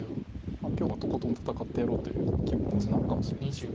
今日はとことん戦ってやろうという気持ちなのかもしれないです。